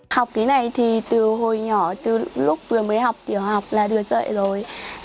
học cái này thì từ hồi nhỏ từ lúc vừa mới học tiểu học là được dạy rồi